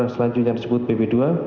selanjutnya disebut bb dua